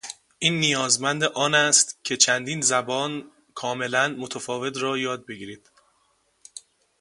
این نیازمند آن است که چندین زبان کاملأ متفاوت را یاد بگیرید.